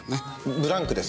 ブランクです。